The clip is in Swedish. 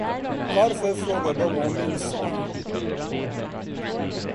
Varför frågar de om min son?